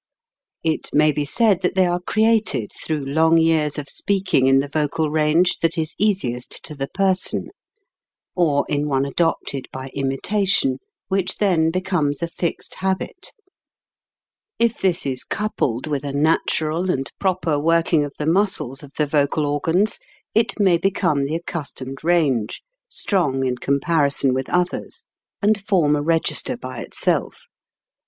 It may be said that they are created through long years of speaking in the vocal range that is easiest to the person, or in one adopted by imitation, which then becomes a fixed habit. 134 . ON VOCAL REGISTERS 135 If this is coupled with a natural and proper working of the muscles of the vocal organs, it may become the accustomed range, strong in comparison with others, and form a register by itself.